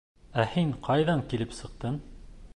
Ә һин ҡайҙан килеп сыҡтың?